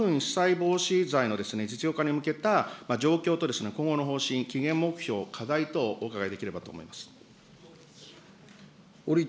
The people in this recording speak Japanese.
このスギ花粉飛散防止剤の実用化に向けた、状況と今後の方針、期限目標、課題等をお伺いできたと思います。